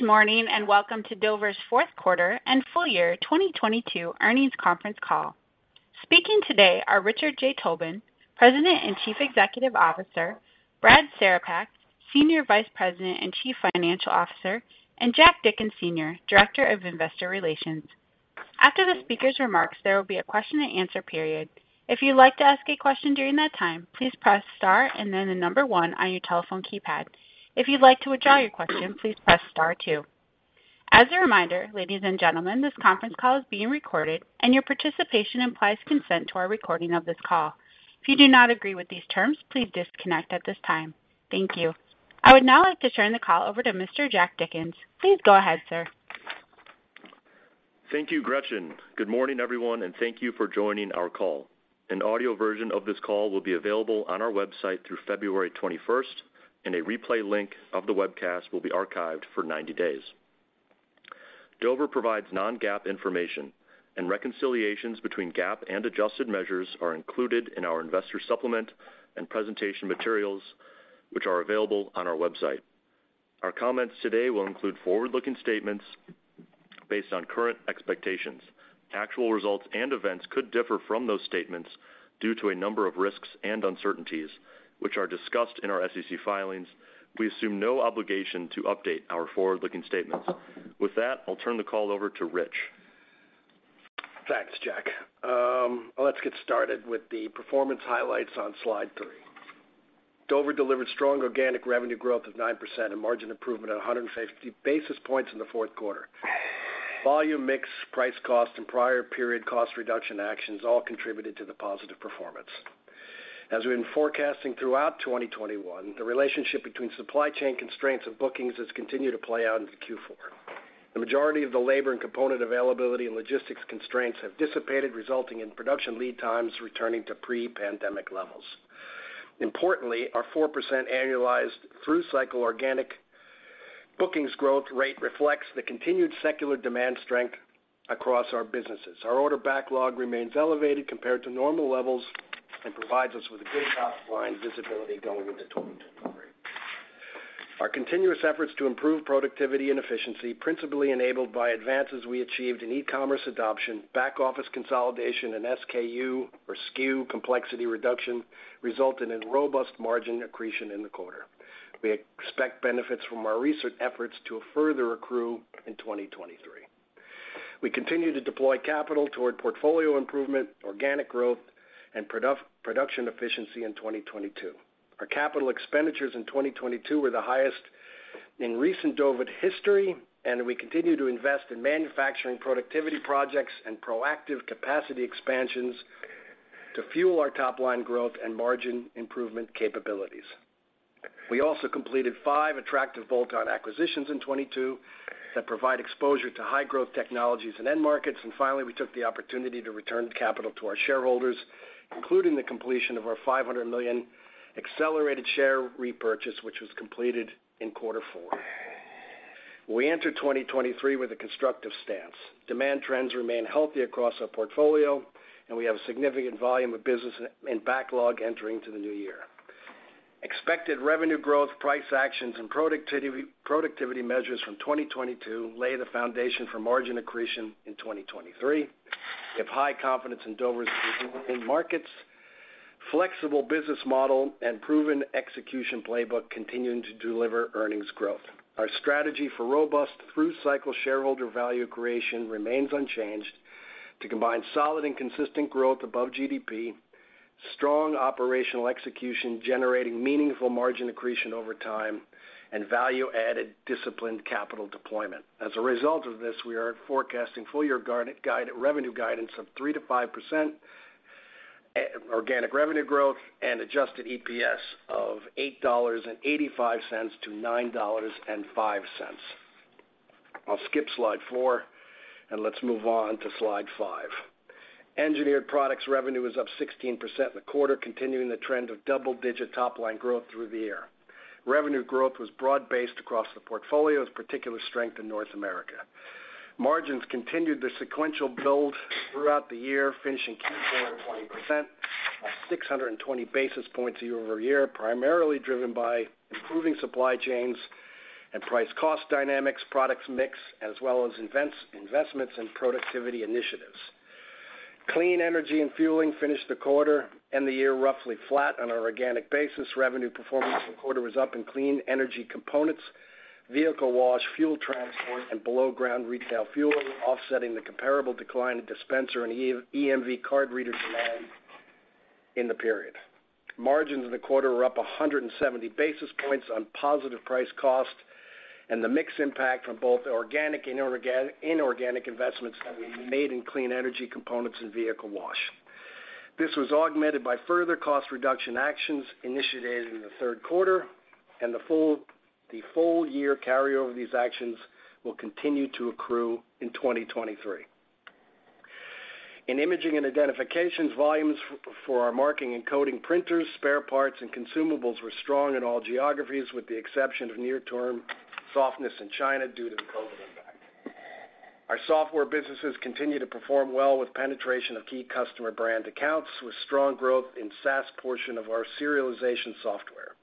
Good morning, and welcome to Dover's Fourth Quarter and Full Year 2022 Earnings Conference Call. Speaking today are Richard J. Tobin, President and Chief Executive Officer, Brad Cerepak, Senior Vice President and Chief Financial Officer, and Jack Dickens, Senior Director of Investor Relations. After the speaker's remarks, there will be a question and answer period. If you'd like to ask a question during that time, please press star and then the number one on your telephone keypad. If you'd like to withdraw your question, please press star two. As a reminder, ladies and gentlemen, this conference call is being recorded and your participation implies consent to our recording of this call. If you do not agree with these terms, please disconnect at this time. Thank you. I would now like to turn the call over to Mr. Jack Dickens. Please go ahead, sir. Thank you, Gretchen. Good morning, everyone, and thank you for joining our call. An audio version of this call will be available on our website through February 21st, and a replay link of the webcast will be archived for 90 days. Dover provides non-GAAP information and reconciliations between GAAP and adjusted measures are included in our investor supplement and presentation materials, which are available on our website. Our comments today will include forward-looking statements based on current expectations. Actual results and events could differ from those statements due to a number of risks and uncertainties which are discussed in our SEC filings. We assume no obligation to update our forward-looking statements. With that, I'll turn the call over to Rich. Thanks, Jack. Let's get started with the performance highlights on slide three. Dover delivered strong organic revenue growth of 9% and margin improvement at 150 basis points in the fourth quarter. Volume mix, price cost, and prior period cost reduction actions all contributed to the positive performance. As we've been forecasting throughout 2021, the relationship between supply chain constraints and bookings has continued to play out into Q4. The majority of the labor and component availability and logistics constraints have dissipated, resulting in production lead times returning to pre-pandemic levels. Importantly, our 4% annualized through cycle organic bookings growth rate reflects the continued secular demand strength across our businesses. Our order backlog remains elevated compared to normal levels and provides us with a good top-line visibility going into 2023. Our continuous efforts to improve productivity and efficiency, principally enabled by advances we achieved in e-commerce adoption, back-office consolidation, and SKU complexity reduction, resulted in robust margin accretion in the quarter. We expect benefits from our recent efforts to further accrue in 2023. We continue to deploy capital toward portfolio improvement, organic growth, and production efficiency in 2022. Our capital expenditures in 2022 were the highest in recent Dover history. We continue to invest in manufacturing productivity projects and proactive capacity expansions to fuel our top-line growth and margin improvement capabilities. We also completed five attractive bolt-on acquisitions in 2022 that provide exposure to high-growth technologies and end markets. Finally, we took the opportunity to return capital to our shareholders, including the completion of our $500 million accelerated share repurchase, which was completed in quarter four. We enter 2023 with a constructive stance. Demand trends remain healthy across our portfolio, and we have a significant volume of business and backlog entering into the new year. Expected revenue growth, price actions, and productivity measures from 2022 lay the foundation for margin accretion in 2023. We have high confidence in Dover's markets, flexible business model, and proven execution playbook continuing to deliver earnings growth. Our strategy for robust through-cycle shareholder value creation remains unchanged to combine solid and consistent growth above GDP, strong operational execution, generating meaningful margin accretion over time, and value-added disciplined capital deployment. As a result of this, we are forecasting full year revenue guidance of 3%-5% organic revenue growth, and adjusted EPS of $8.85-$9.05. I'll skip slide 4, and let's move on to slide 5. Engineered Products revenue is up 16% in the quarter, continuing the trend of double-digit top-line growth through the year. Revenue growth was broad-based across the portfolio, with particular strength in North America. Margins continued their sequential build throughout the year, finishing Q4 at 20%, up 620 basis points year-over-year, primarily driven by improving supply chains and price cost dynamics, products mix, as well as investments and productivity initiatives. Clean Energy & Fueling finished the quarter and the year roughly flat on an organic basis. Revenue performance from quarter was up in Clean Energy Components, Vehicle Wash, Fuel Transport, and Below-Ground Retail Fueling, offsetting the comparable decline in dispenser and EMV card reader demand in the period. Margins in the quarter were up 170 basis points on positive price cost and the mix impact from both organic and inorganic investments that we made in Clean Energy components and vehicle wash. This was augmented by further cost reduction actions initiated in the third quarter, and the full year carryover of these actions will continue to accrue in 2023. In Imaging & Identification, volumes for our Marking and Coding Printers, spare parts, and consumables were strong in all geographies, with the exception of near-term softness in China due to the COVID impact. Our software businesses continue to perform well with penetration of key customer brand accounts, with strong growth in SaaS portion of our Serialization Software.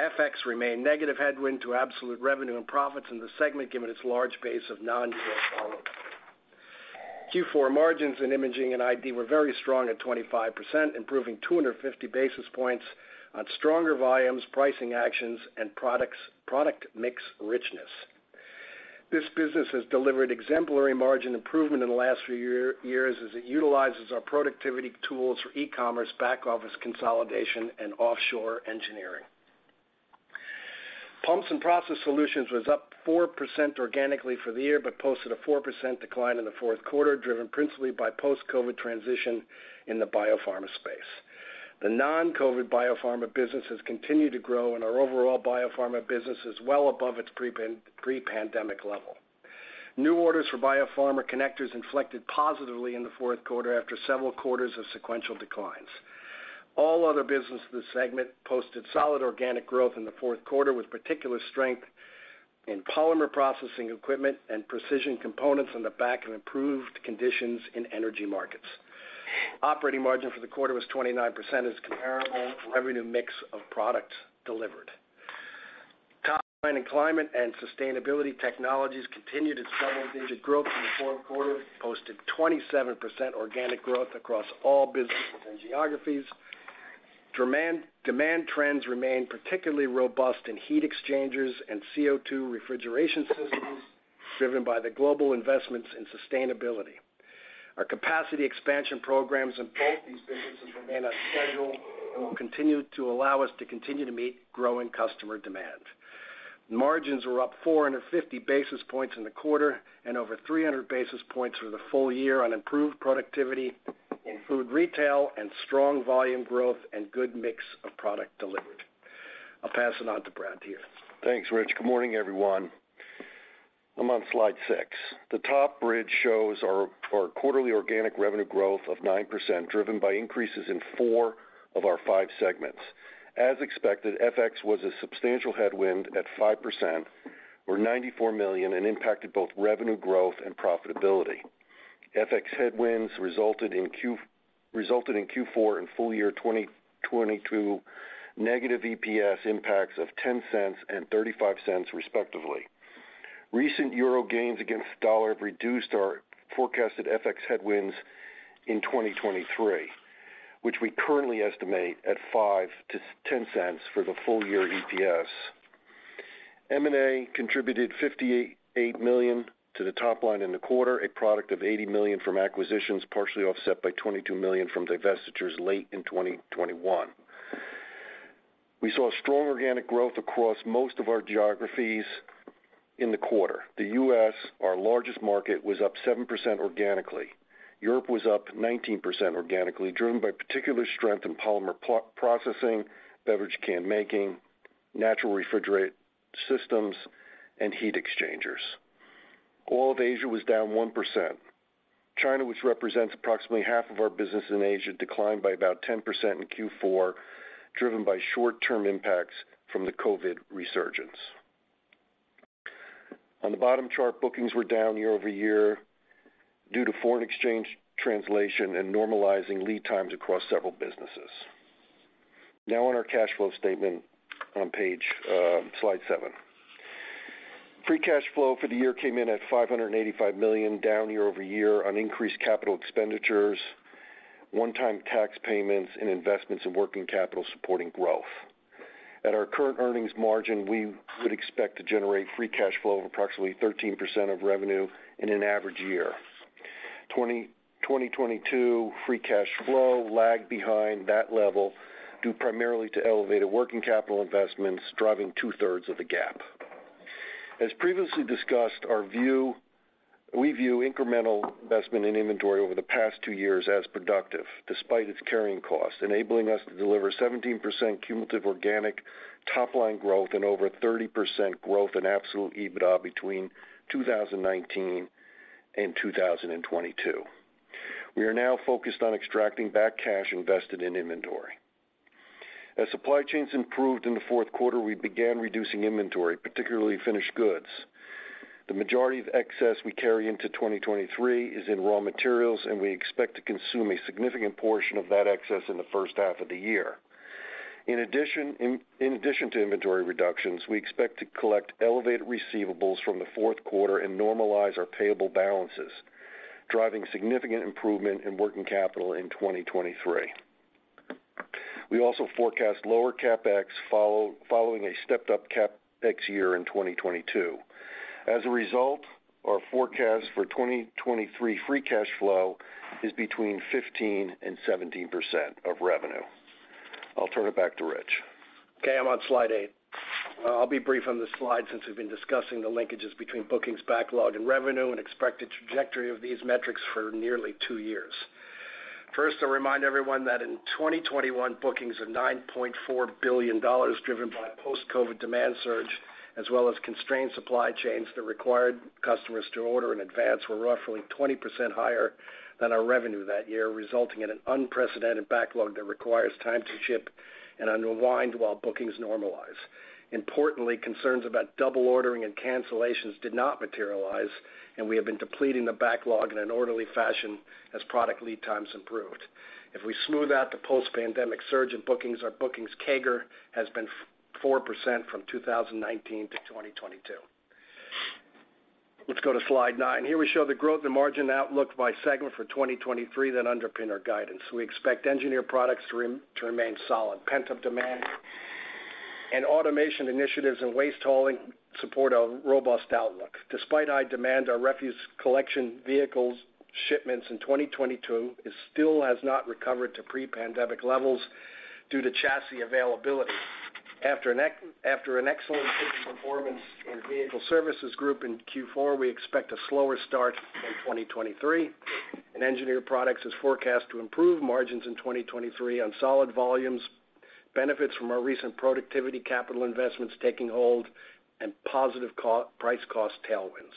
FX remained negative headwind to absolute revenue and profits in the segment, given its large base of non-U.S. followers. Q4 margins in Imaging & Identification were very strong at 25%, improving 250 basis points on stronger volumes, pricing actions, and products, product mix richness. This business has delivered exemplary margin improvement in the last few years as it utilizes our productivity tools for e-commerce back office consolidation and offshore engineering. Pumps & Process Solutions was up 4% organically for the year, posted a 4% decline in the fourth quarter, driven principally by post-COVID transition in the biopharma space. The non-COVID biopharma businesses continue to grow, our overall biopharma business is well above its pre-pandemic level. New orders for biopharma connectors inflected positively in the fourth quarter after several quarters of sequential declines. All other business in the segment posted solid organic growth in the fourth quarter, with particular strength in Polymer Processing Equipment and Precision Components on the back of improved conditions in energy markets. Operating margin for the quarter was 29% as comparable revenue mix of products delivered. Top line and Climate & Sustainability Technologies continued its double-digit growth in the fourth quarter, posted 27% organic growth across all businesses and geographies. Demand trends remain particularly robust in Heat Exchangers and CO2 refrigeration systems driven by the global investments in sustainability. Our capacity expansion programs in both these businesses remain on schedule and will continue to allow us to continue to meet growing customer demand. Margins were up 450 basis points in the quarter and over 300 basis points for the full year on improved productivity in food, retail, and strong volume growth and good mix of product delivered. I'll pass it on to Brad here. Thanks, Rich. Good morning, everyone. I'm on slide 6. The top bridge shows our quarterly organic revenue growth of 9%, driven by increases in 4 of our 5 segments. As expected, FX was a substantial headwind at 5% or $94 million, and impacted both revenue growth and profitability. FX headwinds resulted in Q4 and full year 2022 negative EPS impacts of $0.10 and $0.35, respectively. Recent EUR gains against US dollar have reduced our forecasted FX headwinds in 2023, which we currently estimate at $0.05 to $0.10 for the full year EPS. M&A contributed $58 million to the top line in the quarter, a product of $80 million from acquisitions, partially offset by $22 million from divestitures late in 2021. We saw strong organic growth across most of our geographies in the quarter. The U.S., our largest market, was up 7% organically. Europe was up 19% organically, driven by particular strength in polymer processing, beverage can-making, Natural Refrigerant Systems, and Heat Exchangers. All of Asia was down 1%. China, which represents approximately half of our business in Asia, declined by about 10% in Q4, driven by short-term impacts from the COVID resurgence. On the bottom chart, bookings were down year-over-year due to foreign exchange translation and normalizing lead times across several businesses. On our cash flow statement on page, slide 7. Free cash flow for the year came in at $585 million, down year-over-year on increased capital expenditures, one-time tax payments, and investments in working capital supporting growth. At our current earnings margin, we would expect to generate free cash flow of approximately 13% of revenue in an average year. 2022 free cash flow lagged behind that level, due primarily to elevated working capital investments, driving 2/3 of the gap. As previously discussed, we view incremental investment in inventory over the past 2 years as productive, despite its carrying costs, enabling us to deliver 17% cumulative organic top line growth and over 30% growth in absolute EBITDA between 2019 and 2022. We are now focused on extracting back cash invested in inventory. As supply chains improved in the 4th quarter, we began reducing inventory, particularly finished goods. The majority of excess we carry into 2023 is in raw materials, and we expect to consume a significant portion of that excess in the first half of the year. In addition, in addition to inventory reductions, we expect to collect elevated receivables from the fourth quarter and normalize our payable balances, driving significant improvement in working capital in 2023. We also forecast lower CapEx following a stepped up CapEx year in 2022. As a result, our forecast for 2023 free cash flow is between 15 and 17% of revenue. I'll turn it back to Rich. Okay, I'm on slide 8. I'll be brief on this slide, since we've been discussing the linkages between bookings backlog and revenue and expected trajectory of these metrics for nearly two years. First, I'll remind everyone that in 2021 bookings of $9.4 billion driven by post-COVID demand surge, as well as constrained supply chains that required customers to order in advance were roughly 20% higher than our revenue that year, resulting in an unprecedented backlog that requires time to ship and unwind while bookings normalize. Importantly, concerns about double ordering and cancellations did not materialize, and we have been depleting the backlog in an orderly fashion as product lead times improved. If we smooth out the post-pandemic surge in bookings, our bookings CAGR has been four percent from 2019 to 2022. Let's go to slide 9. Here we show the growth and margin outlook by segment for 2023 that underpin our guidance. We expect Engineered Products to remain solid. Pent-up demand and automation initiatives and waste hauling support a robust outlook. Despite high demand, our refuse collection vehicles shipments in 2022 is still has not recovered to pre-pandemic levels due to chassis availability. After an excellent booking performance in Vehicle Service Group in Q4, we expect a slower start in 2023. Engineered Products is forecast to improve margins in 2023 on solid volumes, benefits from our recent productivity capital investments taking hold, and positive co-price cost tailwinds.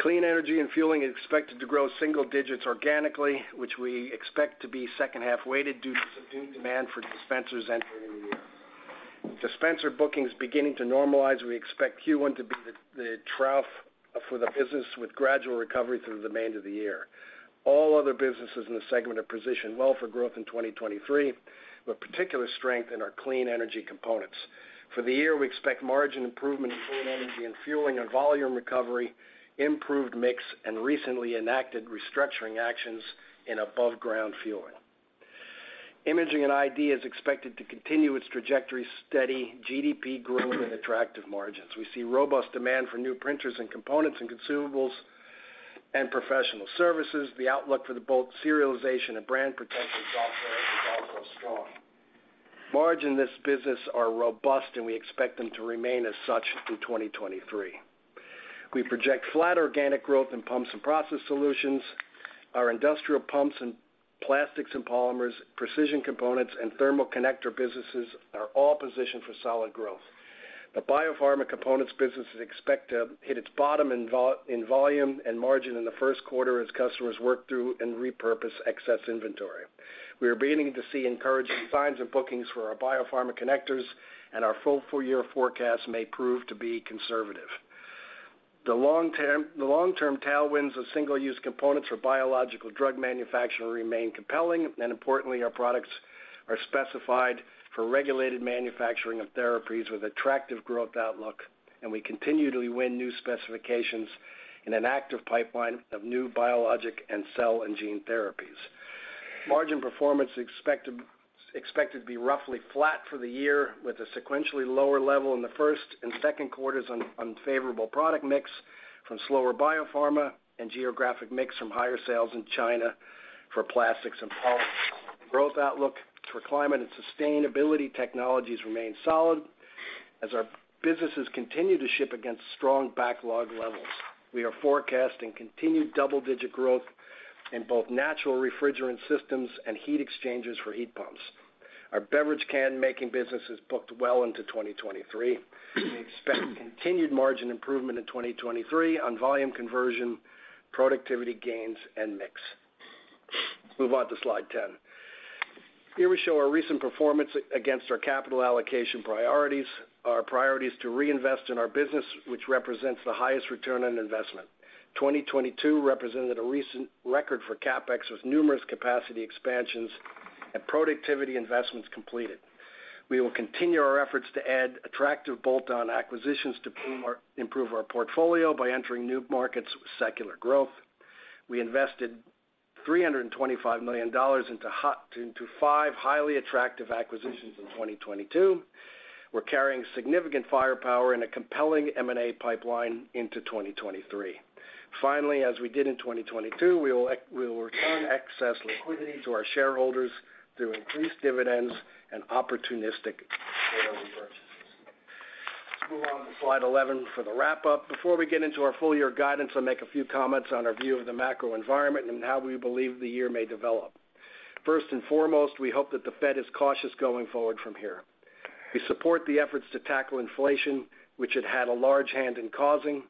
Clean Energy & Fueling is expected to grow single digits organically, which we expect to be second half-weighted due to subdued demand for dispensers entering the year. Dispenser bookings beginning to normalize, we expect Q1 to be the trough for the business with gradual recovery through the remainder of the year. All other businesses in the segment are positioned well for growth in 2023, with particular strength in our Clean Energy components. For the year, we expect margin improvement in Clean Energy & Fueling on volume recovery, improved mix, and recently enacted restructuring actions in above-ground fueling. Imaging and ID is expected to continue its trajectory steady, GDP growing and attractive margins. We see robust demand for new printers and components and consumables and professional services. The outlook for the bolt Serialization and Brand Protection software is also strong. Margins in this business are robust, and we expect them to remain as such through 2023. We project flat organic growth in Pumps & Process Solutions. Our industrial Pumps and plastics and polymers, precision components, and thermal connector businesses are all positioned for solid growth. The biopharma components business is expect to hit its bottom in volume and margin in the first quarter as customers work through and repurpose excess inventory. We are beginning to see encouraging signs of bookings for our biopharma connectors. Our full 4-year forecast may prove to be conservative. The long-term tailwinds of single-use components for biological drug manufacturing remain compelling. Importantly, our products are specified for regulated manufacturing of therapies with attractive growth outlook. We continue to win new specifications in an active pipeline of new biologic and cell and gene therapies. Margin performance expected to be roughly flat for the year, with a sequentially lower level in the first and second quarters on unfavorable product mix from slower biopharma and geographic mix from higher sales in China for plastics and polymers. Growth outlook for Climate & Sustainability Technologies remain solid as our businesses continue to ship against strong backlog levels. We are forecasting continued double-digit growth in both Natural Refrigerant Systems and Heat Exchangers for Heat Pumps. Our beverage can-making business is booked well into 2023. We expect continued margin improvement in 2023 on volume conversion, productivity gains, and mix. Let's move on to slide 10. Here we show our recent performance against our capital allocation priorities, our priorities to reinvest in our business, which represents the highest return on investment. 2022 represented a recent record for CapEx, with numerous capacity expansions and productivity investments completed. We will continue our efforts to add attractive bolt-on acquisitions to improve our portfolio by entering new markets with secular growth. We invested $325 million into 5 highly attractive acquisitions in 2022. We're carrying significant firepower and a compelling M&A pipeline into 2023. Finally, as we did in 2022, we will return excess liquidity to our shareholders through increased dividends and opportunistic share repurchases. Let's move on to slide 11 for the wrap-up. Before we get into our full year guidance, I'll make a few comments on our view of the macro environment and how we believe the year may develop. First and foremost, we hope that the Fed is cautious going forward from here. We support the efforts to tackle inflation, which it had a large hand in causing,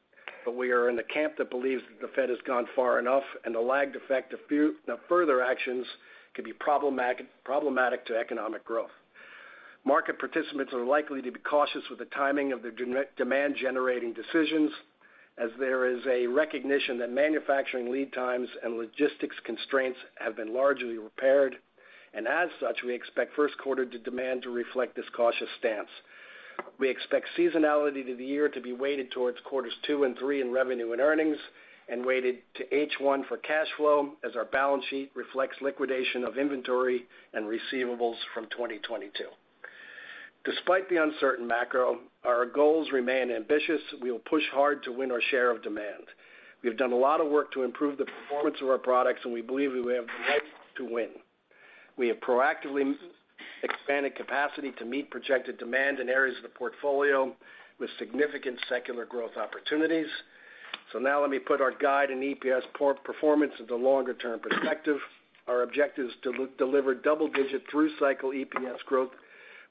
but we are in the camp that believes that the Fed has gone far enough and the lagged effect of further actions could be problematic to economic growth. Market participants are likely to be cautious with the timing of their demand generating decisions, as there is a recognition that manufacturing lead times and logistics constraints have been largely repaired. As such, we expect first quarter demand to reflect this cautious stance. We expect seasonality to the year to be weighted towards quarters two and three in revenue and earnings and weighted to H1 for cash flow as our balance sheet reflects liquidation of inventory and receivables from 2022. Despite the uncertain macro, our goals remain ambitious. We will push hard to win our share of demand. We have done a lot of work to improve the performance of our products, and we believe we have the right to win. We have proactively expanded capacity to meet projected demand in areas of the portfolio with significant secular growth opportunities. Now let me put our guide and EPS per-performance into longer-term perspective. Our objective is to deliver double-digit through cycle EPS growth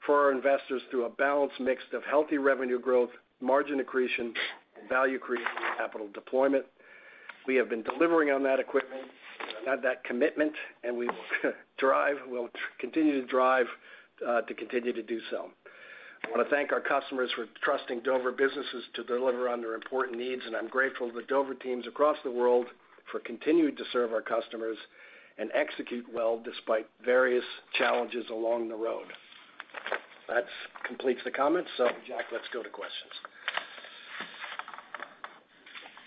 for our investors through a balanced mix of healthy revenue growth, margin accretion, and value creation and capital deployment. We have been delivering on that equipment, that commitment, and we'll continue to drive to continue to do so. I wanna thank our customers for trusting Dover businesses to deliver on their important needs, and I'm grateful to the Dover teams across the world for continuing to serve our customers and execute well despite various challenges along the road. That completes the comments, so Jack, let's go to questions.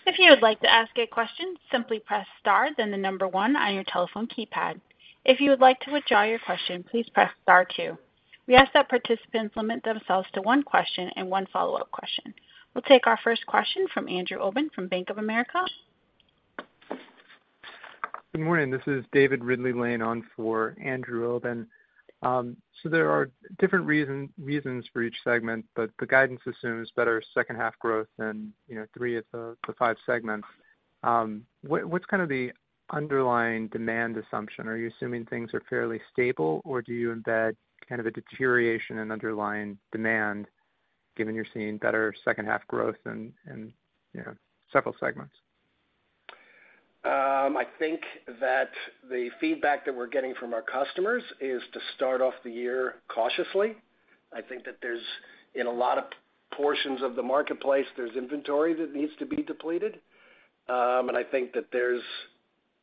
If you would like to ask a question, simply press star then number one on your telephone keypad. If you would like to withdraw your question, please press star two. We ask that participants limit themselves to one question and one follow-up question. We'll take our first question from Andrew Obin from Bank of America. Good morning. This is David Ridley-Lane on for Andrew Obin. There are different reasons for each segment, but the guidance assumes better second half growth than, you know, 3 of the 5 segments. What's kind of the underlying demand assumption? Are you assuming things are fairly stable, or do you embed kind of a deterioration in underlying demand given you're seeing better second half growth in, you know, several segments? I think that the feedback that we're getting from our customers is to start off the year cautiously. I think that there's, in a lot of portions of the marketplace, there's inventory that needs to be depleted. I think that there's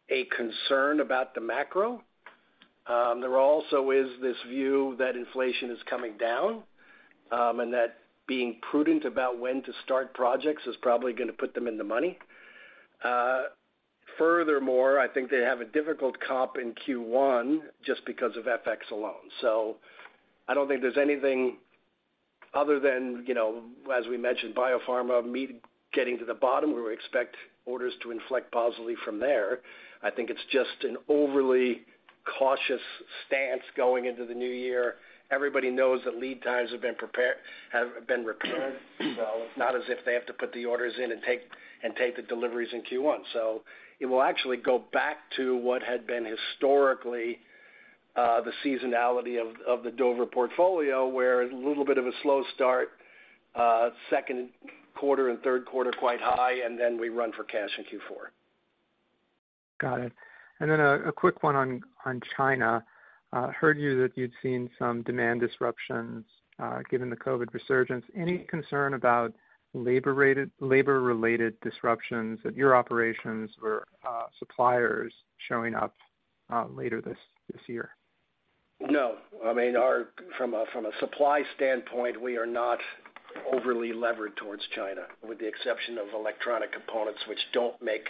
a concern about the macro. There also is this view that inflation is coming down, and that being prudent about when to start projects is probably gonna put them in the money. Furthermore, I think they have a difficult comp in Q1 just because of FX alone. I don't think there's anything other than, you know, as we mentioned, biopharma, meat getting to the bottom, where we expect orders to inflect positively from there. I think it's just an overly cautious stance going into the new year. Everybody knows that lead times have been repaired, so it's not as if they have to put the orders in and take the deliveries in Q1. It will actually go back to what had been historically, the seasonality of the Dover portfolio, where a little bit of a slow start, second quarter and third quarter quite high, and then we run for cash in Q4. Got it. A quick one on China. Heard you that you'd seen some demand disruptions, given the COVID resurgence. Any concern about labor-related disruptions at your operations or suppliers showing up later this year? No. I mean, from a supply standpoint, we are not overly levered towards China, with the exception of electronic components, which don't make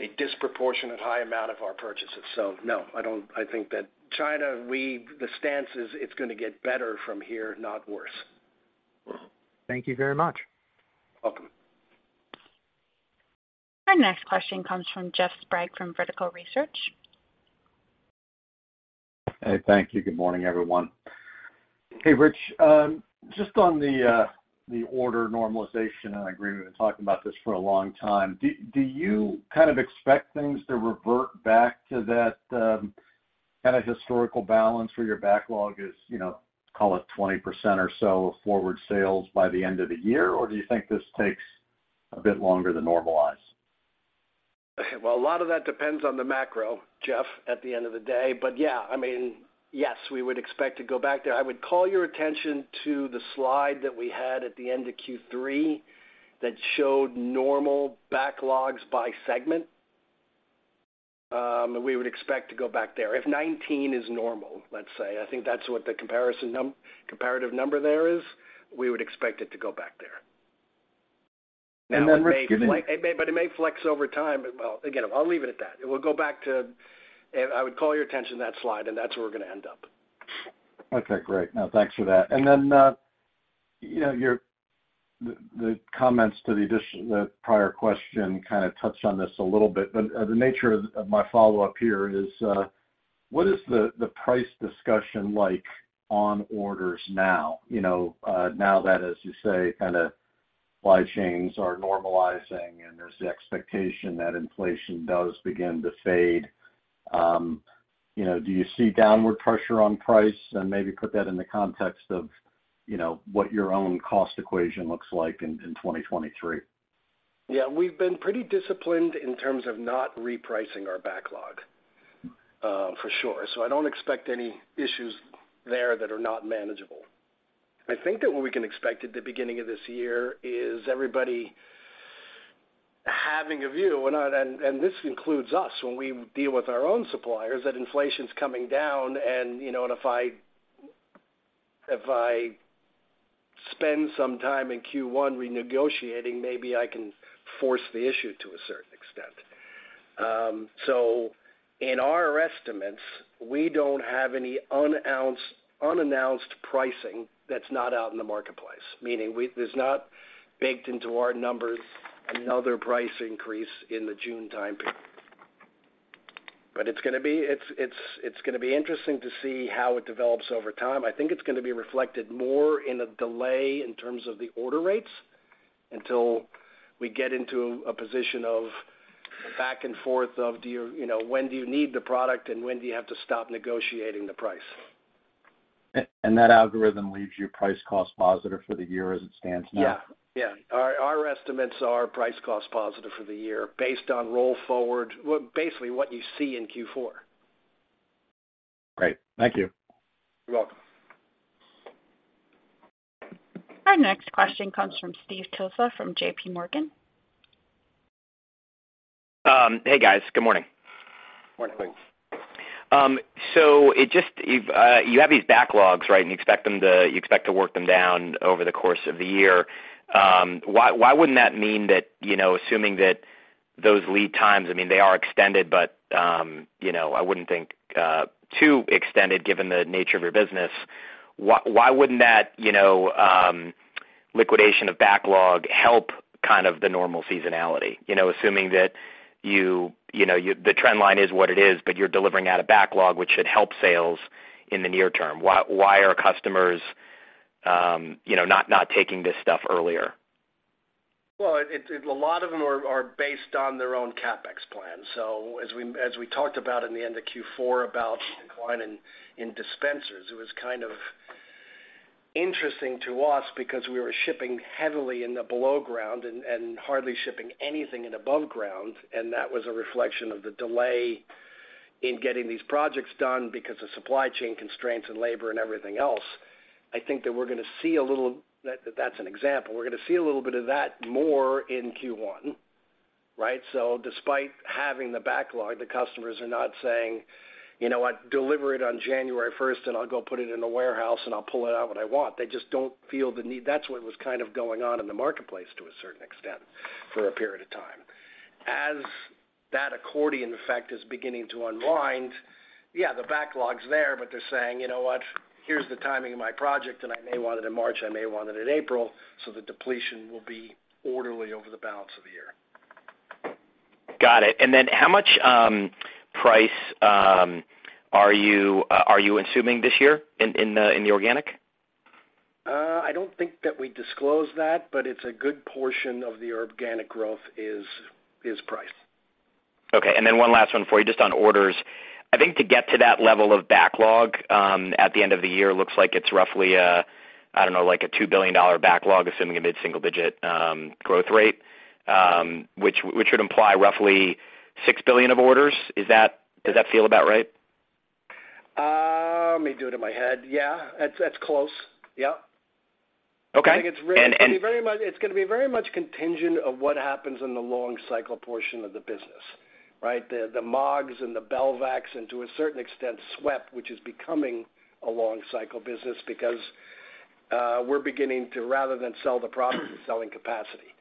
a disproportionate high amount of our purchases. no, I think that China, the stance is it's gonna get better from here, not worse. Thank you very much. Welcome. Our next question comes from Jeffrey Sprague from Vertical Research. Hey, thank you. Good morning, everyone. Hey, Rich, just on the order normalization, and I agree we've been talking about this for a long time. Do you kind of expect things to revert back to that kind of historical balance where your backlog is, you know, call it 20% or so of forward sales by the end of the year, or do you think this takes a bit longer to normalize? Well, a lot of that depends on the macro, Jeff, at the end of the day. Yeah, I mean, yes, we would expect to go back there. I would call your attention to the slide that we had at the end of Q3 that showed normal backlogs by segment. We would expect to go back there. If 19 is normal, let's say, I think that's what the comparative number there is, we would expect it to go back there. Rich. It may flex over time. Well, again, I'll leave it at that. I would call your attention to that slide. That's where we're gonna end up. Okay, great. No, thanks for that. You know, the comments to the prior question kinda touched on this a little bit, the nature of my follow-up here is, what is the price discussion like on orders now? You know, now that, as you say, kinda supply chains are normalizing, there's the expectation that inflation does begin to fade. You know, do you see downward pressure on price? Maybe put that in the context of, you know, what your own cost equation looks like in 2023. We've been pretty disciplined in terms of not repricing our backlog, for sure. I don't expect any issues there that are not manageable. I think that what we can expect at the beginning of this year is everybody having a view, when this includes us when we deal with our own suppliers, that inflation's coming down, you know, if I spend some time in Q1 renegotiating, maybe I can force the issue to a certain extent. In our estimates, we don't have any unannounced pricing that's not out in the marketplace, meaning there's not baked into our numbers another price increase in the June time period. It's gonna be, it's, it's gonna be interesting to see how it develops over time. I think it's gonna be reflected more in a delay in terms of the order rates until we get into a position of back and forth of do you know, when do you need the product and when do you have to stop negotiating the price. That algorithm leaves you price cost positive for the year as it stands now? Yeah. Yeah. Our, our estimates are price cost positive for the year based on roll forward... Well, basically, what you see in Q4. Great. Thank you. You're welcome. Our next question comes from Stephen Tusa from JPMorgan. Hey, guys. Good morning. Morning. You've, you have these backlogs, right? You expect to work them down over the course of the year. Why, why wouldn't that mean that, you know, assuming that those lead times, I mean, they are extended, but, you know, I wouldn't think too extended given the nature of your business, why wouldn't that, you know, liquidation of backlog help kind of the normal seasonality? You know, assuming that you know, the trend line is what it is, but you're delivering out a backlog, which should help sales in the near term. Why, why are customers, you know, not taking this stuff earlier? It, a lot of them are based on their own CapEx plan. As we talked about in the end of Q4 about decline in dispensers, it was kind of interesting to us because we were shipping heavily in the below ground and hardly shipping anything in above ground, and that was a reflection of the delay in getting these projects done because of supply chain constraints and labor and everything else. I think that's an example. We're gonna see a little bit of that more in Q1, right? Despite having the backlog, the customers are not saying, "You know what? Deliver it on January first, and I'll go put it in the warehouse, and I'll pull it out when I want." They just don't feel the need. That's what was kind of going on in the marketplace to a certain extent for a period of time. As that accordion effect is beginning to unwind, yeah, the backlog's there, but they're saying, "You know what? Here's the timing of my project, and I may want it in March, I may want it in April." The depletion will be orderly over the balance of the year. Got it. How much price are you assuming this year in the organic? I don't think that we disclosed that, but it's a good portion of the organic growth is price. Okay. Then one last one for you just on orders. I think to get to that level of backlog, at the end of the year looks like it's roughly, I don't know, like a $2 billion backlog, assuming a mid-single digit growth rate, which would imply roughly $6 billion of orders. Does that feel about right? Let me do it in my head. Yeah. That's close. Yep. Okay. I think it's very much. It's gonna be very much contingent of what happens in the long cycle portion of the business, right? The Markem-Imaje and the Belvac and to a certain extent SWEP, which is becoming a long cycle business because we're beginning to rather than sell the product, we're selling capacity.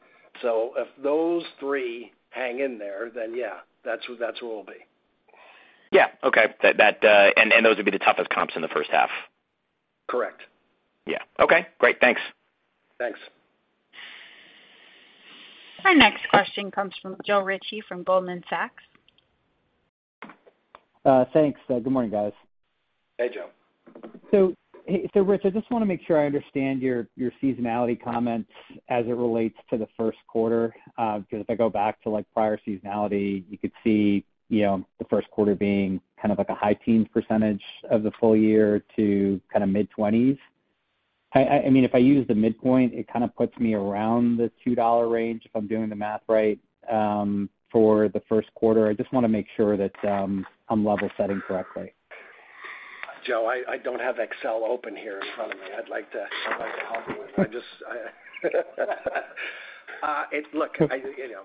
If those three hang in there, then yeah, that's where we'll be. Yeah. Okay. Those would be the toughest comps in the first half. Correct. Yeah. Okay. Great. Thanks. Thanks. Our next question comes from Joe Ritchie from Goldman Sachs. Thanks. Good morning, guys. Hey, Joe. Hey, Rich, I just wanna make sure I understand your seasonality comments as it relates to the first quarter, 'cause if I go back to, like, prior seasonality, you could see, you know, the first quarter being kind of like a high teens % of the full year to kinda mid-20s. I mean, if I use the midpoint, it kinda puts me around the $2 range, if I'm doing the math right, for the first quarter. I just wanna make sure that I'm level setting correctly. Joe, I don't have Excel open here in front of me. I'd like to help you. I just... Look, I, you know...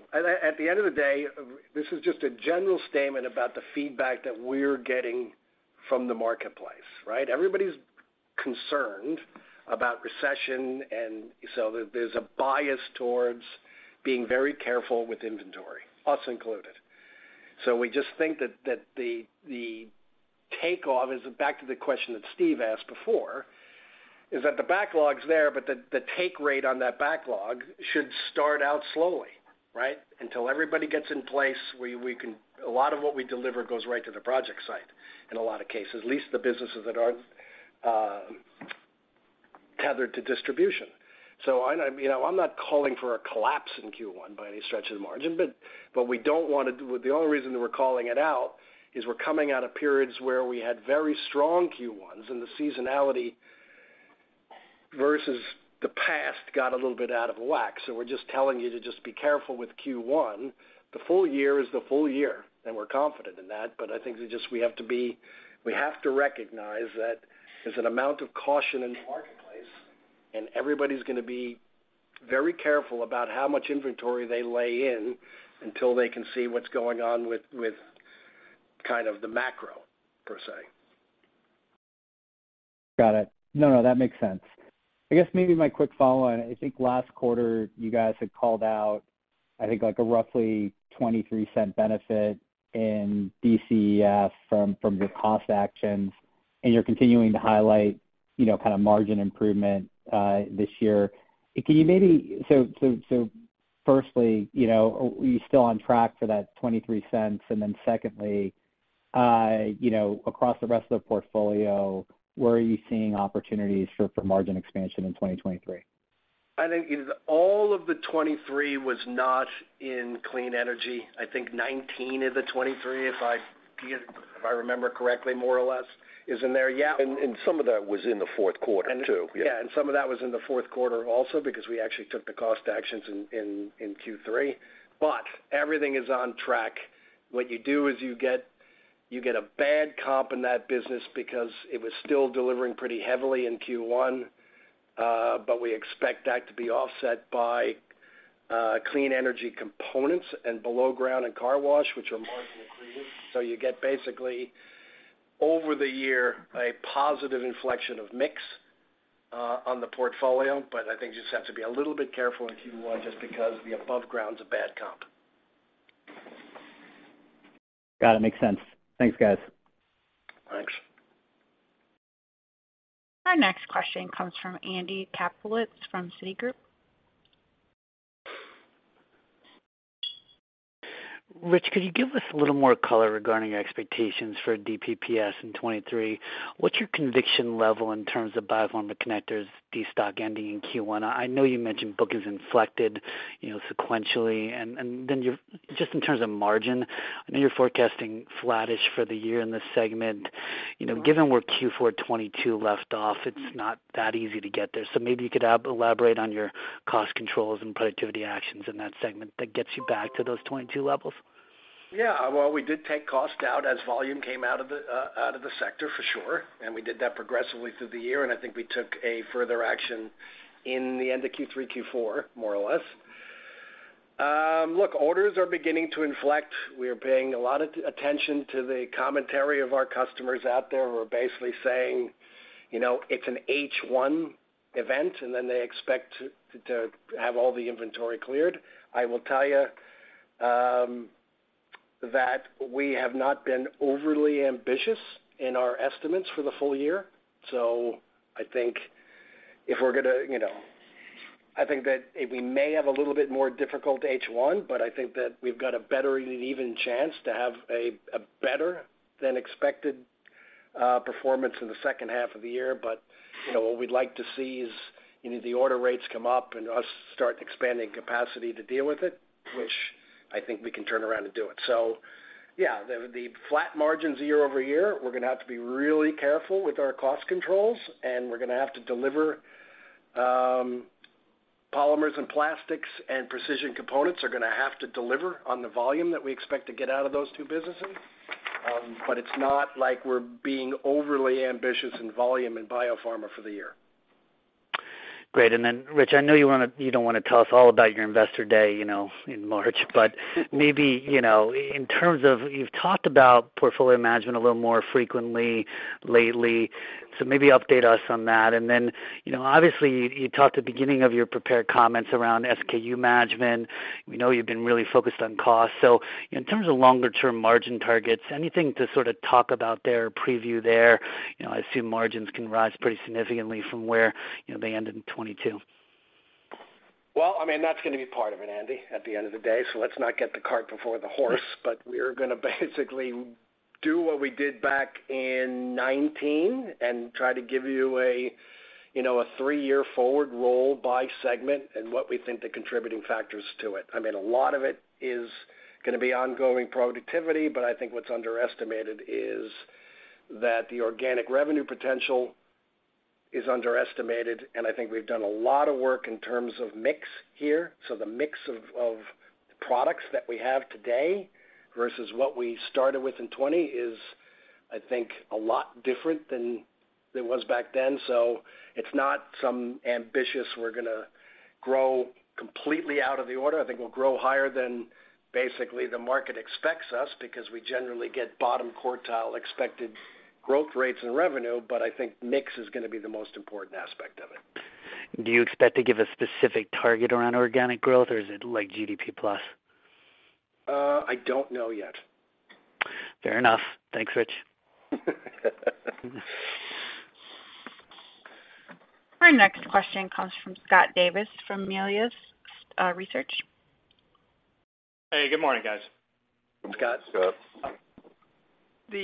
At the end of the day, this is just a general statement about the feedback that we're getting from the marketplace, right? Everybody's concerned about recession, and so there's a bias towards being very careful with inventory, us included. We just think that the takeoff is, back to the question that Steve asked before, is that the backlog's there, but the take rate on that backlog should start out slowly, right? Until everybody gets in place, we can... A lot of what we deliver goes right to the project site in a lot of cases, at least the businesses that aren't tethered to distribution. I... You know, I'm not calling for a collapse in Q1 by any stretch of the margin, but we don't want to... The only reason that we're calling it out is we're coming out of periods where we had very strong Q1s, and the seasonality versus the past got a little bit out of whack. We're just telling you to just be careful with Q1. The full year is the full year, and we're confident in that. I think we just, we have to recognize that there's an amount of caution in the marketplace, and everybody's gonna be very careful about how much inventory they lay in until they can see what's going on with kind of the macro, per se. Got it. No, no. That makes sense. I guess maybe my quick follow-on, I think last quarter you guys had called out, I think, like a roughly $0.23 benefit in DCEF from your cost actions, and you're continuing to highlight, you know, kind of margin improvement this year. Can you maybe? Firstly, you know, are you still on track for that $0.23? Secondly, you know, across the rest of the portfolio, where are you seeing opportunities for margin expansion in 2023? I think all of the 23 was not in Clean Energy. I think 19 of the 23, if I remember correctly, more or less is in there. Yeah. Some of that was in the fourth quarter too. Yeah. Some of that was in the fourth quarter also because we actually took the cost actions in Q3. Everything is on track. What you do is you get a bad comp in that business because it was still delivering pretty heavily in Q1, but we expect that to be offset by Clean Energy components and below ground and car wash, which are margin accretive. You get basically over the year a positive inflection of mix on the portfolio. I think you just have to be a little bit careful in Q1 just because the above-ground's a bad comp. Got it. Makes sense. Thanks, guys. Thanks. Our next question comes from Andy Kaplowitz from Citigroup. Rich, could you give us a little more color regarding your expectations for DPPS in 23? What's your conviction level in terms of biopharma connectors destock ending in Q1? I know you mentioned book is inflected, you know, sequentially. just in terms of margin, I know you're forecasting flattish for the year in this segment. You know, given where Q4 22 left off, it's not that easy to get there. Maybe you could elaborate on your cost controls and productivity actions in that segment that gets you back to those 22 levels. Well, we did take cost out as volume came out of the sector for sure, and we did that progressively through the year, and I think we took a further action in the end of Q3, Q4, more or less. Look, orders are beginning to inflect. We are paying a lot of attention to the commentary of our customers out there who are basically saying, you know, it's an H1 event, and then they expect to have all the inventory cleared. I will tell you that we have not been overly ambitious in our estimates for the full year. I think if we're going to, you know... I think that we may have a little bit more difficult H1, but I think that we've got a better than even chance to have a better than expected performance in the second half of the year. You know, what we'd like to see is, you know, the order rates come up and us start expanding capacity to deal with it, which I think we can turn around and do it. Yeah, the flat margins year-over-year, we're gonna have to be really careful with our cost controls, and we're gonna have to deliver, polymers and plastics and precision components are gonna have to deliver on the volume that we expect to get out of those two businesses. It's not like we're being overly ambitious in volume and biopharma for the year. Great. Rich, I know you wanna tell us all about your investor day, you know, in March, but maybe, you know, in terms of you've talked about portfolio management a little more frequently lately, so maybe update us on that. Obviously you talked at the beginning of your prepared comments around SKU management. We know you've been really focused on cost. In terms of longer term margin targets, anything to sort of talk about there or preview there? You know, I assume margins can rise pretty significantly from where, you know, they end in 2022. Well, I mean, that's gonna be part of it, Andy, at the end of the day, let's not get the cart before the horse. We're gonna basically do what we did back in 2019 and try to give you a, you know, a 3-year forward roll by segment and what we think the contributing factors to it. I mean, a lot of it is gonna be ongoing productivity, I think what's underestimated is that the organic revenue potential is underestimated. I think we've done a lot of work in terms of mix here. The mix of products that we have today versus what we started with in 2020 is, I think, a lot different than it was back then. It's not some ambitious, we're gonna grow completely out of the order. I think we'll grow higher than basically the market expects us because we generally get bottom quartile expected growth rates in revenue, but I think mix is gonna be the most important aspect of it. Do you expect to give a specific target around organic growth, or is it like GDP plus? I don't know yet. Fair enough. Thanks, Rich. Our next question comes from Scott Davis from Melius Research. Hey, good morning, guys. Scott. Scott. The,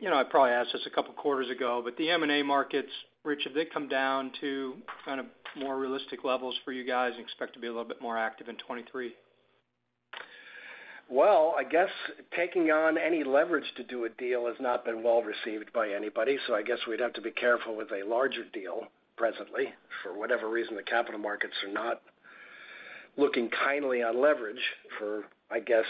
you know, I probably asked this a couple quarters ago, but the M&A markets, Rich, have they come down to kind of more realistic levels for you guys and expect to be a little bit more active in 2023? Well, I guess taking on any leverage to do a deal has not been well received by anybody. I guess we'd have to be careful with a larger deal presently. For whatever reason, the capital markets are not looking kindly on leverage for, I guess,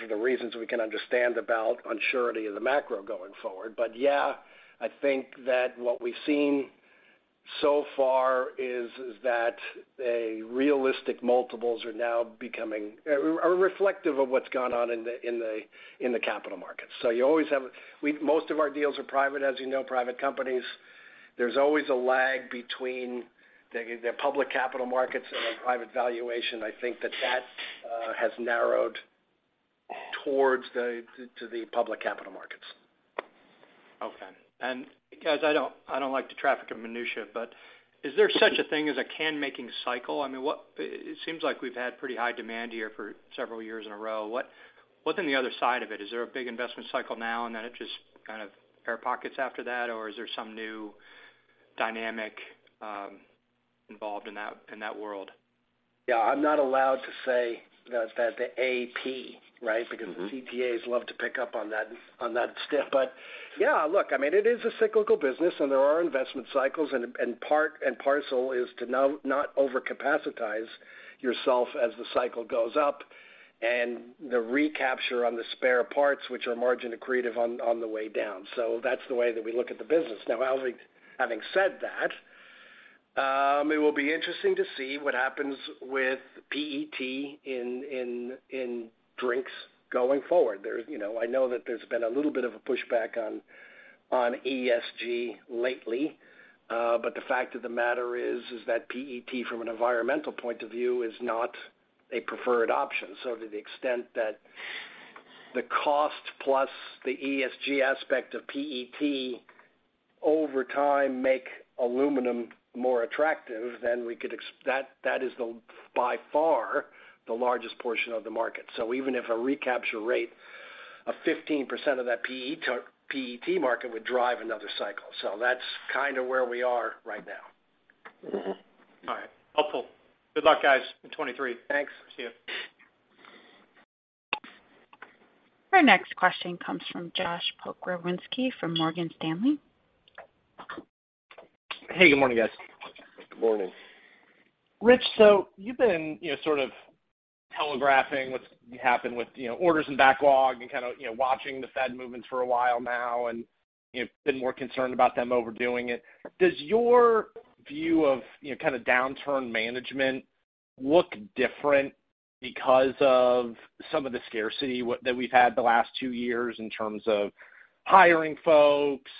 for the reasons we can understand about unsurety of the macro going forward. Yeah, I think that what we've seen so far is that realistic multiples are now reflective of what's gone on in the capital markets. You always have. Most of our deals are private, as you know. Private companies, there's always a lag between the public capital markets and the private valuation. I think that has narrowed towards the public capital markets. Okay. guys, I don't, I don't like to traffic in minutiae, is there such a thing as a can making cycle? I mean, it seems like we've had pretty high demand here for several years in a row. What's in the other side of it? Is there a big investment cycle now and then it just kind of air pockets after that? is there some new dynamic involved in that, in that world? Yeah. I'm not allowed to say that the AP, right? Mm-hmm. The CTAs love to pick up on that, on that step. Yeah, look, I mean, it is a cyclical business, and there are investment cycles and part and parcel is to know not over-capacitize yourself as the cycle goes up, and the recapture on the spare parts, which are margin accretive on the way down. That's the way that we look at the business. Now, having said that, it will be interesting to see what happens with PET in, in drinks going forward. There's, you know, I know that there's been a little bit of a pushback on ESG lately. The fact of the matter is that PET from an environmental point of view is not a preferred option. To the extent that the cost plus the ESG aspect of PET over time make aluminum more attractive, then we could that is the by far the largest portion of the market. Even if a recapture rate of 15% of that PET market would drive another cycle. That's kind of where we are right now. All right. Helpful. Good luck, guys, in 2023. Thanks. See you. Our next question comes from Josh Pokrzywinski from Morgan Stanley. Hey, good morning, guys. Good morning. Rich, you've been, you know, sort of telegraphing what's happened with, you know, orders and backlog and kind of, you know, watching the Fed movements for a while now and, you know, been more concerned about them overdoing it. Does your view of, you know, kind of downturn management look different because of some of the scarcity that we've had the last 2 years in terms of hiring folks,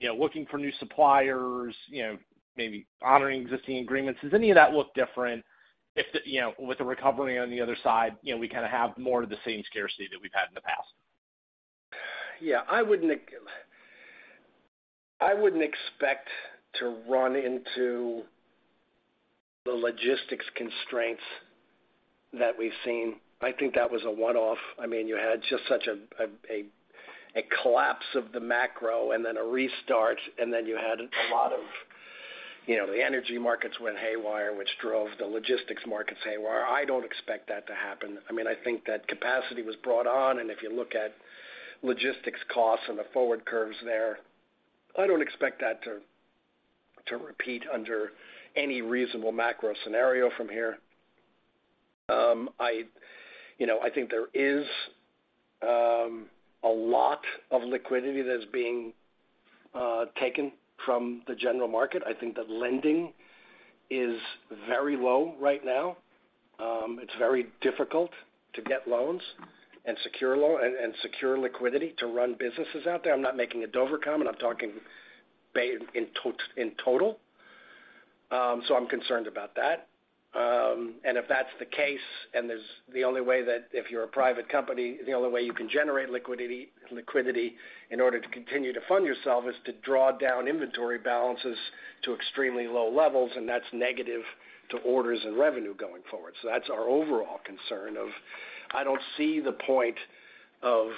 you know, looking for new suppliers, you know, maybe honoring existing agreements? Does any of that look different if the, you know, with the recovery on the other side, you know, we kind of have more of the same scarcity that we've had in the past? I wouldn't expect to run into the logistics constraints that we've seen. I think that was a one-off. I mean, you had just such a collapse of the macro and then a restart, and then you had a lot of, you know, the energy markets went haywire, which drove the logistics markets haywire. I don't expect that to happen. I mean, I think that capacity was brought on, and if you look at logistics costs and the forward curves there, I don't expect that to repeat under any reasonable macro scenario from here. I, you know, I think there is a lot of liquidity that is being taken from the general market. I think that lending is very low right now. It's very difficult to get loans and secure liquidity to run businesses out there. I'm not making a Dover comment. I'm talking in total. I'm concerned about that. If that's the case, and there's the only way that if you're a private company, the only way you can generate liquidity in order to continue to fund yourself is to draw down inventory balances to extremely low levels, and that's negative to orders and revenue going forward. That's our overall concern of I don't see the point of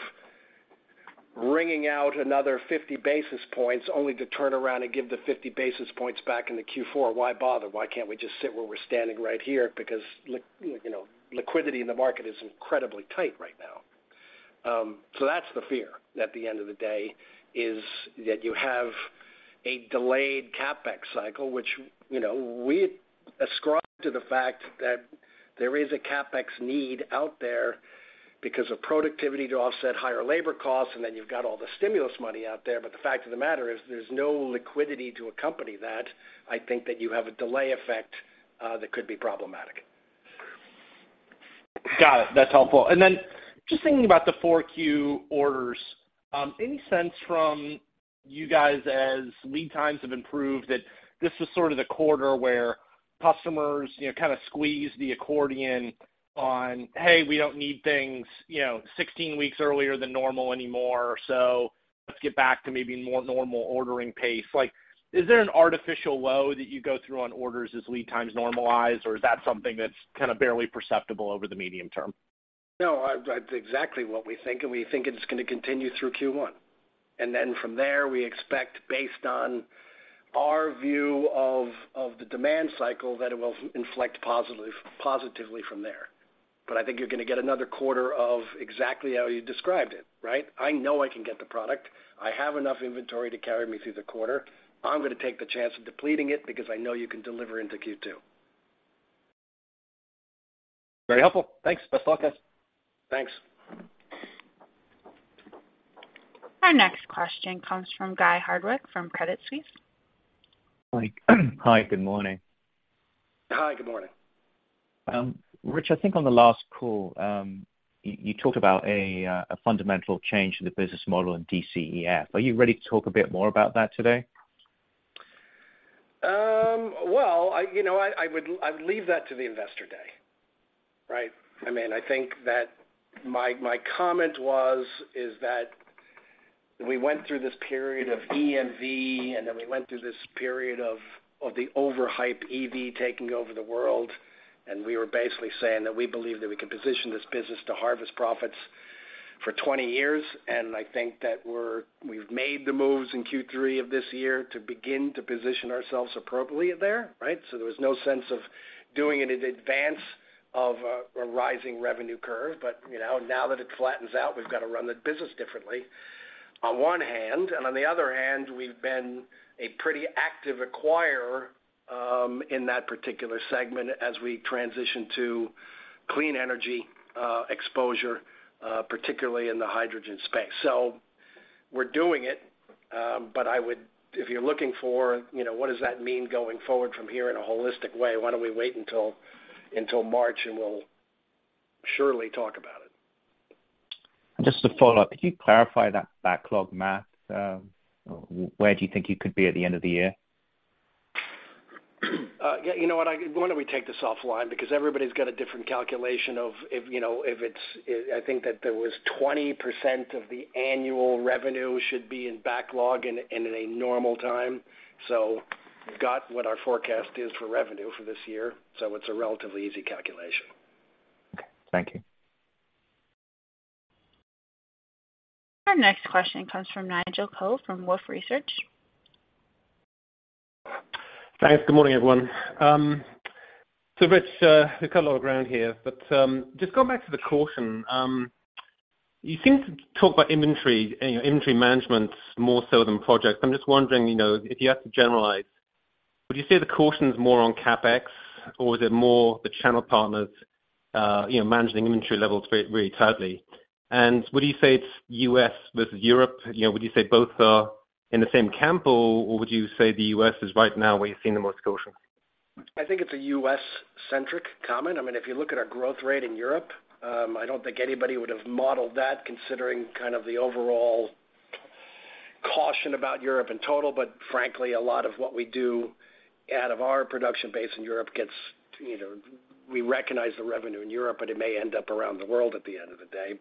wringing out another 50 basis points only to turn around and give the 50 basis points back in the Q4. Why bother? Why can't we just sit where we're standing right here? You know, liquidity in the market is incredibly tight right now. That's the fear at the end of the day, is that you have a delayed CapEx cycle, which, you know, we ascribe to the fact that there is a CapEx need out there because of productivity to offset higher labor costs, and then you've got all the stimulus money out there. The fact of the matter is there's no liquidity to accompany that. I think that you have a delay effect that could be problematic. Got it. That's helpful. Then just thinking about the 4Q orders, any sense from you guys as lead times have improved that this was sort of the quarter where customers, you know, kind of squeezed the accordion on, "Hey, we don't need things, you know, 16 weeks earlier than normal anymore. Let's get back to maybe more normal ordering pace." Like, is there an artificial low that you go through on orders as lead times normalize, or is that something that's kind of barely perceptible over the medium term? No. That's exactly what we think, and we think it's gonna continue through Q1. From there, we expect based on our view of the demand cycle, that it will inflect positively from there. I think you're gonna get another quarter of exactly how you described it, right? I know I can get the product. I have enough inventory to carry me through the quarter. I'm gonna take the chance of depleting it because I know you can deliver into Q2. Very helpful. Thanks. Best of luck, guys. Thanks. Our next question comes from Guy Hardwick from Credit Suisse. Hi. Hi. Good morning. Hi. Good morning. Rich, I think on the last call, you talked about a fundamental change to the business model in DCEF. Are you ready to talk a bit more about that today? Well, I, you know, I would, I would leave that to the investor day, right? I mean, I think that my comment was, is that we went through this period of EMV, and then we went through this period of the overhype EV taking over the world, and we were basically saying that we believe that we can position this business to harvest profits for 20 years. I think that we've made the moves in Q3 of this year to begin to position ourselves appropriately there, right? There was no sense of doing it in advance of a rising revenue curve. You know, now that it flattens out, we've got to run the business differently on one hand. On the other hand, we've been a pretty active acquirer, in that particular segment as we transition to Clean Energy exposure, particularly in the hydrogen space. We're doing it. If you're looking for, you know, what does that mean going forward from here in a holistic way, why don't we wait until March and we'll surely talk about it. Just to follow up, could you clarify that backlog math? Where do you think you could be at the end of the year? Yeah, you know what? why don't we take this offline because everybody's got a different calculation of if, you know, if it's, I think that there was 20% of the annual revenue should be in backlog in a normal time. You've got what our forecast is for revenue for this year. It's a relatively easy calculation. Okay. Thank you. Our next question comes from Nigel Coe from Wolfe Research. Thanks. Good morning, everyone. Rich, we've cut a lot of ground here, but just going back to the caution. You seem to talk about inventory and, you know, inventory management more so than projects. I'm just wondering, you know, if you have to generalize, would you say the caution is more on CapEx, or is it more the channel partners, you know, managing inventory levels very, very tightly? Would you say it's U.S. versus Europe? You know, would you say both are in the same camp, or would you say the U.S. is right now where you're seeing the most caution? I think it's a U.S.-centric comment. I mean, if you look at our growth rate in Europe, I don't think anybody would have modeled that considering kind of the overall caution about Europe in total. Frankly, a lot of what we do out of our production base in Europe gets, you know, we recognize the revenue in Europe, but it may end up around the world at the end of the day.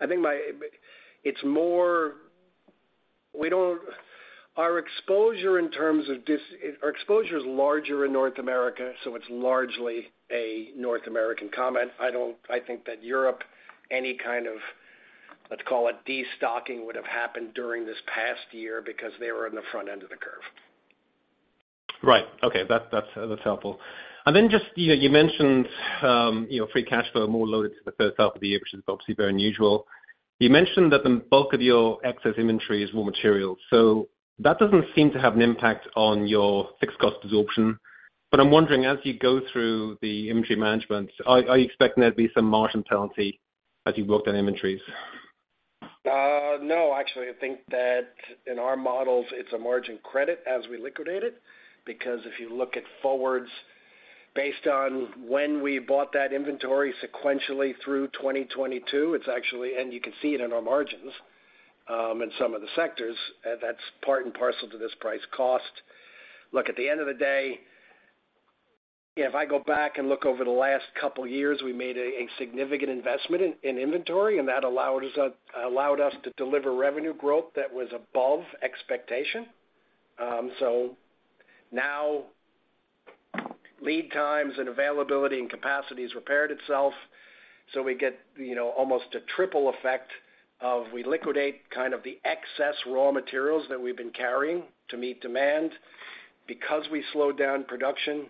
I think it's more our exposure is larger in North America, so it's largely a North American comment. I think that Europe, any kind of, let's call it destocking, would have happened during this past year because they were in the front end of the curve. Right. Okay. That's helpful. Then just, you know, you mentioned, you know, free cash flow more loaded to the first half of the year, which is obviously very unusual. You mentioned that the bulk of your excess inventory is raw material. That doesn't seem to have an impact on your fixed cost absorption. I'm wondering, as you go through the inventory management, are you expecting there to be some margin penalty as you work on inventories? No, actually, I think that in our models, it's a margin credit as we liquidate it. If you look at forwards based on when we bought that inventory sequentially through 2022, it's actually, and you can see it in our margins, in some of the sectors, that's part and parcel to this price cost. At the end of the day, if I go back and look over the last couple of years, we made a significant investment in inventory, and that allowed us to deliver revenue growth that was above expectation. Now lead times and availability and capacity has repaired itself, so we get, you know, almost a triple effect of we liquidate kind of the excess raw materials that we've been carrying to meet demand. We slowed down production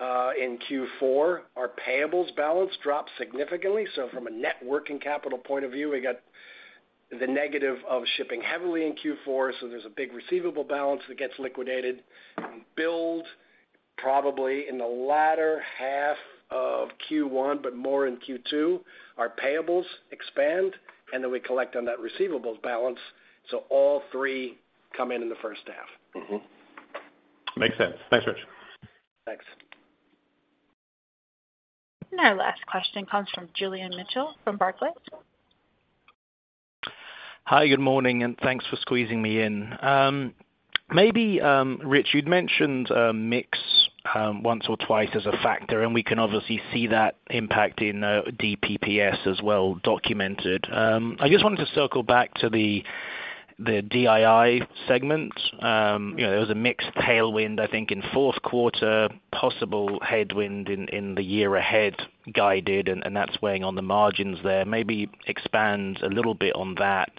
in Q4, our payables balance dropped significantly. From a net working capital point of view, we got the negative of shipping heavily in Q4, so there's a big receivable balance that gets liquidated. We build probably in the latter half of Q1, but more in Q2. Our payables expand, and then we collect on that receivables balance. All three come in in the first half. Mm-hmm. Makes sense. Thanks, Rich. Thanks. Our last question comes from Julian Mitchell from Barclays. Hi, good morning, and thanks for squeezing me in. Maybe Rich, you'd mentioned mix once or twice as a factor, and we can obviously see that impact in DPPS as well documented. I just wanted to circle back to the DII segment. You know, there was a mix tailwind, I think, in fourth quarter, possible headwind in the year ahead guided, and that's weighing on the margins there. Maybe expand a little bit on that?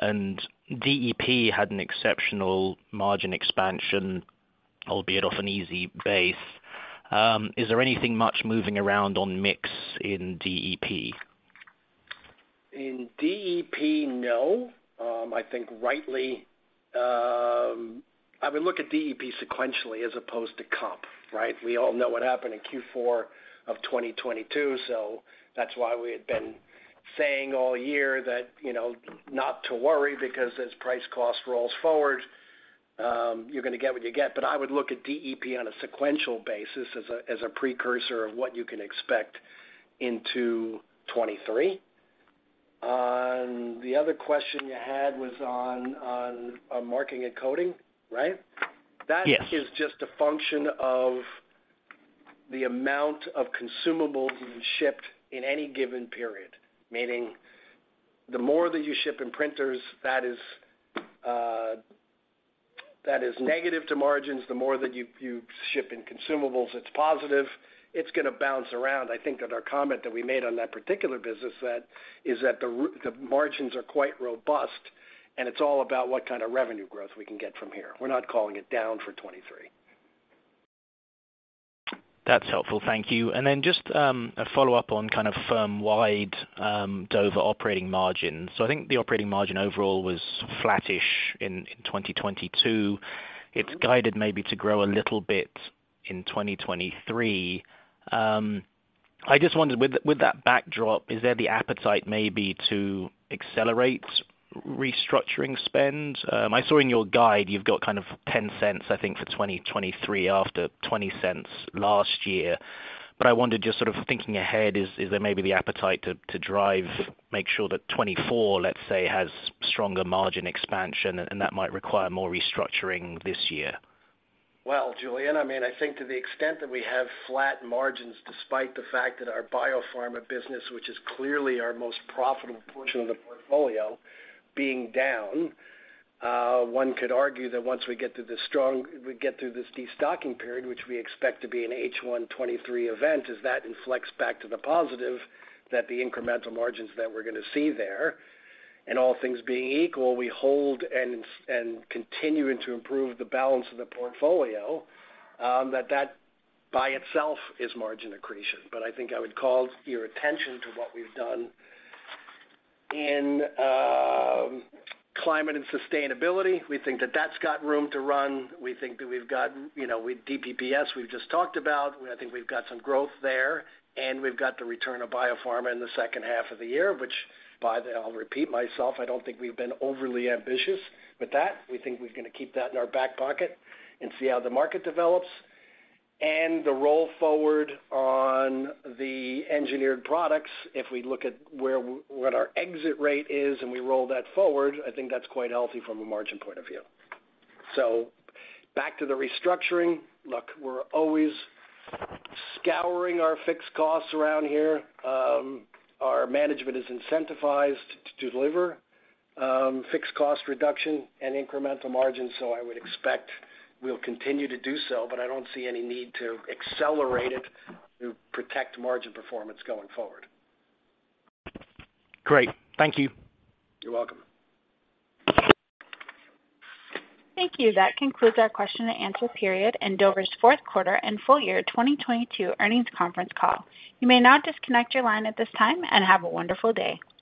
DEP had an exceptional margin expansion, albeit off an easy base. Is there anything much moving around on mix in DEP? In DEP, no. I think rightly, I would look at DEP sequentially as opposed to comp, right? We all know what happened in Q4 of 2022, that's why we had been saying all year that, you know, not to worry because as price cost rolls forward, you're gonna get what you get. I would look at DEP on a sequential basis as a precursor of what you can expect into 2023. On the other question you had was on marking and coding, right? Yes. That is just a function of the amount of consumables you shipped in any given period. Meaning the more that you ship in printers, that is, that is negative to margins, the more that you ship in consumables, it's positive. It's gonna bounce around. I think that our comment that we made on that particular business set is that the margins are quite robust, and it's all about what kind of revenue growth we can get from here. We're not calling it down for 2023. That's helpful. Thank you. Just a follow-up on kind of firm-wide Dover operating margins. I think the operating margin overall was flattish in 2022. It's guided maybe to grow a little bit in 2023. I just wondered, with that backdrop, is there the appetite maybe to accelerate restructuring spend? I saw in your guide you've got kind of $0.10, I think, for 2023, after $0.20 last year. I wondered, just sort of thinking ahead, is there maybe the appetite to drive, make sure that 2024, let's say, has stronger margin expansion, and that might require more restructuring this year? Well, Julian, I mean, I think to the extent that we have flat margins, despite the fact that our biopharma business, which is clearly our most profitable portion of the portfolio, being down, one could argue that once we get through this destocking period, which we expect to be an H1 2023 event, as that inflects back to the positive that the incremental margins that we're gonna see there, and all things being equal, we hold and continuing to improve the balance of the portfolio, that by itself is margin accretion. I think I would call your attention to what we've done in Climate & Sustainability Technologies. We think that that's got room to run. We think that we've got, you know, with DPPS, we've just talked about. I think we've got some growth there, and we've got the return of biopharma in the second half of the year, which I'll repeat myself. I don't think we've been overly ambitious with that. We think we're gonna keep that in our back pocket and see how the market develops. The roll forward on the Engineered Products, if we look at what our exit rate is, and we roll that forward, I think that's quite healthy from a margin point of view. Back to the restructuring. Look, we're always scouring our fixed costs around here. Our management is incentivized to deliver fixed cost reduction and incremental margins, so I would expect we'll continue to do so, but I don't see any need to accelerate it to protect margin performance going forward. Great. Thank you. You're welcome. Thank you. That concludes our question and answer period in Dover's Fourth Quarter and Full Year 2022 Earnings Conference Call. You may now disconnect your line at this time. Have a wonderful day.